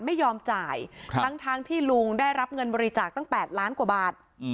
ไม่ยอมจ่ายทั้งที่ลุงได้รับเงินบริจาคตั้ง๘ล้านกว่าบาท